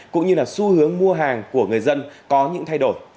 cũng như là xu hướng mua hàng của người dân có những thay đổi